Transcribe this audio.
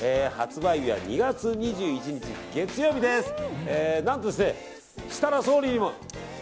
発売日は２月２１日、月曜日です。